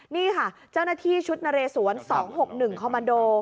นี่ค่ะเจ้าหน้าที่ชุดนเรสวน๒๖๑คอมมันโด